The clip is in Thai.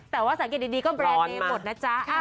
แต่ว่าสังเกตดีก็แบรนด์เนมหมดนะจ๊ะ